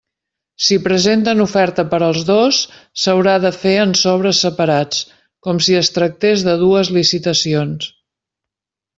Si presenten oferta per als dos, s'haurà de fer en sobres separats com si es tractés de dues licitacions.